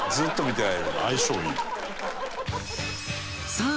さあ